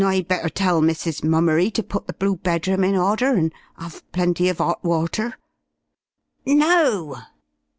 "'Adn't I better tell Mrs. Mummery to put the blue bedroom in order and 'ave plenty of 'ot water?..." "No."